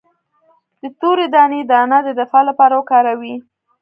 د تورې دانې دانه د دفاع لپاره وکاروئ